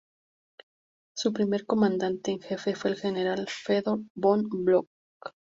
Su primer comandante en jefe fue el general Fedor von Bock.